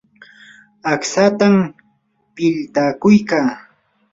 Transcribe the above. aqtsatam piltakuykaa.